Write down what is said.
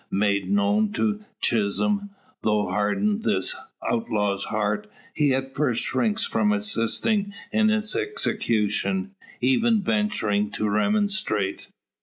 Made known to Chisholm, though hardened this outlaw's heart, he at first shrinks from assisting in its execution even venturing to remonstrate.